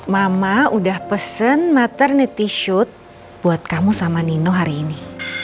mama udah pesen matternity shoot buat kamu sama nino hari ini